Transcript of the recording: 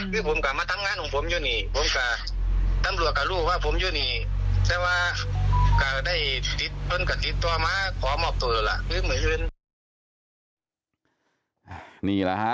คือผมก็มาทำงานของผมอยู่นี่